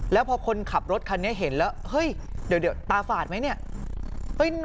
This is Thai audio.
แล้วพอคนขับรถคันนี้เห็นแล้วเฮ้ยเดี๋ยวตาฝาดไหมเนี่ย